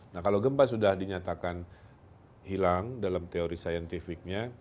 nah kalau gempa sudah dinyatakan hilang dalam teori saintifiknya